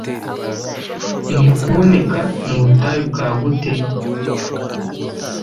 Ni Kuboneka, Mubutayu bwagute